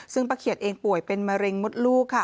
ซึ่งป้าเขียดเองป่วยเป็นมะเร็งมดลูกค่ะ